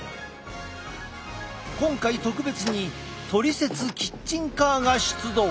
今回特別にトリセツキッチンカーが出動！